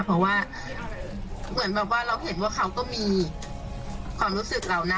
เพราะว่าเหมือนแบบว่าเราเห็นว่าเขาก็มีความรู้สึกเรานะ